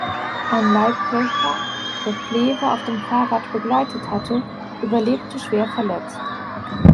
Ein Leibwächter, der Plehwe auf dem Fahrrad begleitet hatte, überlebte schwer verletzt.